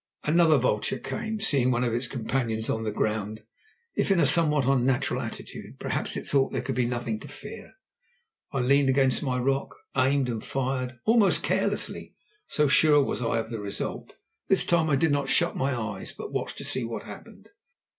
Another vulture came; seeing one of its companions on the ground, if in a somewhat unnatural attitude, perhaps it thought that there could be nothing to fear. I leaned against my rock, aimed, and fired, almost carelessly, so sure was I of the result. This time I did not shut my eyes, but watched to see what happened.